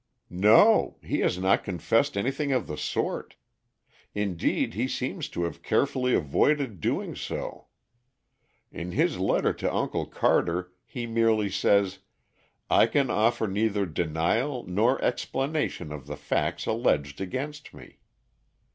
"No; he has not confessed anything of the sort. Indeed he seems to have carefully avoided doing so. In his letter to Uncle Carter he merely says, 'I can offer neither denial nor explanation of the facts alleged against me.'